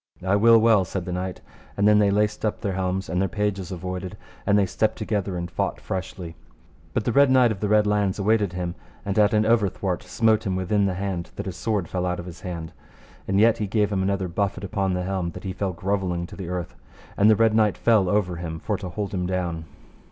I will well, said the knight, and then they laced up their helms, and their pages avoided, and they stepped together and fought freshly; but the Red Knight of the Red Launds awaited him, and at an overthwart smote him within the hand, that his sword fell out of his hand; and yet he gave him another buffet upon the helm that he fell grovelling to the earth, and the Red Knight fell over him, for to hold him down.